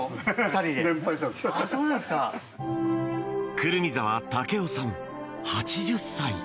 胡桃澤武雄さん、８０歳。